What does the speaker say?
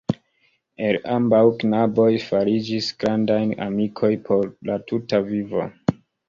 El ambaŭ knaboj fariĝis grandaj amikoj por la tuta vivo.